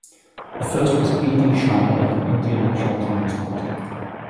The first was B. D. Sharma of the Indian National Congress party.